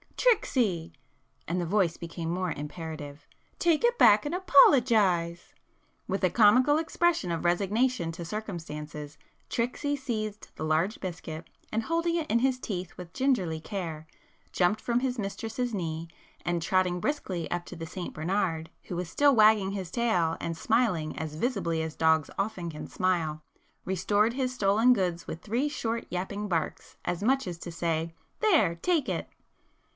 "Tricksy!" and the voice became more imperative—"Take it back and apologise!" With a comical expression of resignation to circumstances, 'Tricksy' seized the large biscuit, and holding it in his teeth with gingerly care, jumped from his mistress's knee and trotting briskly up to the St Bernard who was still wagging his tail and smiling as visibly as dogs often can smile, restored his stolen goods with three short yapping barks as much as to say "There! take it!"